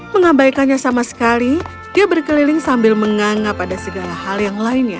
mengabaikannya sama sekali dia berkeliling sambil menganggap ada segala hal yang lainnya